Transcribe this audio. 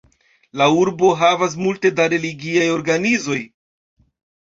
La urbo havas multe da religiaj organizoj.